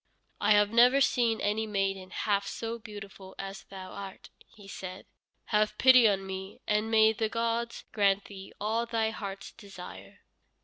"I have never seen any maiden half so beautiful as thou art," he said. "Have pity on me, and may the gods grant thee all thy heart's desire."